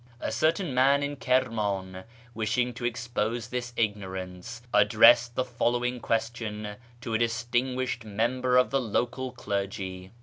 A certain man in Kirman, wishing to expose this ignorance, addressed the following question to a distinguished member of 1 the local clergy.